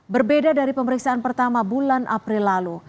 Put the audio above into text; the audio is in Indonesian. berbeda dari pemeriksaan pertama bulan april lalu